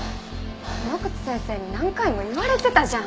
井ノ口先生に何回も言われてたじゃん！